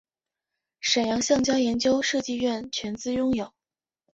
沈阳橡胶研究设计院全资拥有。